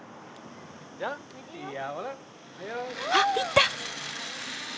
あっ行った。